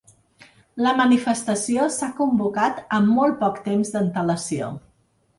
La manifestació s’ha convocat amb molt poc temps d’antelació.